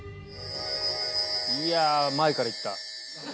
いや前からいった。